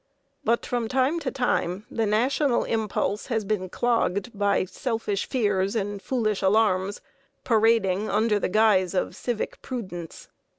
But from time to time the national impulse has been clogged by selfish fears and foolish alarms parading under the guise of civic prudence.